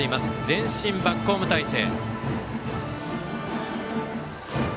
前進バックホーム態勢。